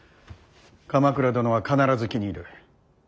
鎌倉殿は必ず気に入る。